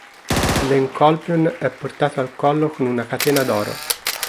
L'enkolpion è portato al collo con una catena d'oro.